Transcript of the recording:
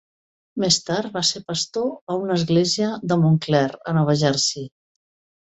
Més tard, va ser pastor a una església de Montclair, a Nova Jersey.